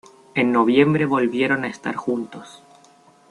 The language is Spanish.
En noviembre volvieron a estar juntos.